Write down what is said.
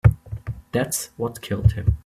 That's what killed him.